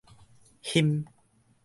鑫